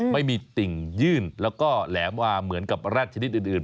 ไม่มีติ่งยื่นแล้วก็แหลมวาเหมือนกับแรดชนิดอื่น